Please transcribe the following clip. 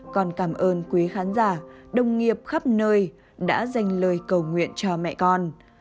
còn cảm ơn quý khán giả đồng nghiệp khắp nơi đã dành lời cầu nguyện cho mẹ con